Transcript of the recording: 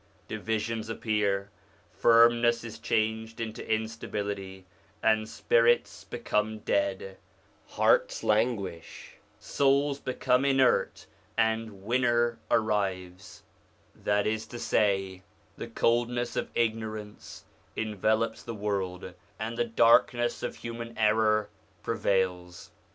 Divisions appear, firmness is changed into instability, and spirits become dead ; hearts languish, souls become inert, and winter arrives; that is to say, the coldness of ignorance envelops the world and the darkness of human error prevails.